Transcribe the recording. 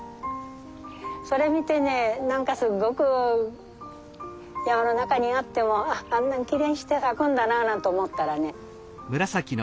それ見てね何かすごく山の中にあってもあんなにきれいにして咲くんだななんて思ったらね